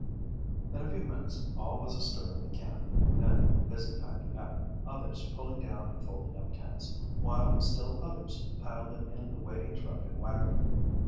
In a few minutes all was astir in the camp, men busy packing up, others pulling down and folding up tents, while still others piled them in the waiting truck and wagon.